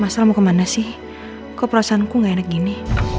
masalah mau kemana sih kok perasaanku enggak gini